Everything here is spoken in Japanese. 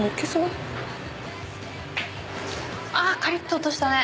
カリッと音したね。